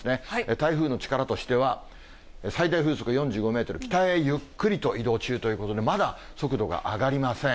台風の力としては、最大風速４５メートル、北へゆっくりと移動中ということで、まだ速度が上がりません。